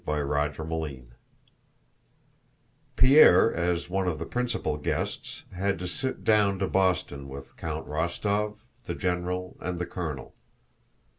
CHAPTER XXI Pierre, as one of the principal guests, had to sit down to boston with Count Rostóv, the general, and the colonel.